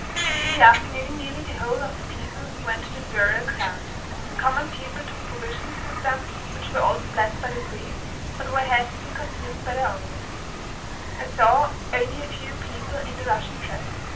In the afternoon, nearly the whole of the people went to the burial ground. The common people took provisions with them, which were also blessed by the priests, but were hastily consumed by the owners. I saw only a few people in the Russian dress.